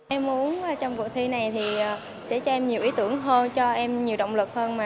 em muốn trong cuộc thi này thì sẽ cho em nhiều ý tưởng hơn cho em nhiều động lực hơn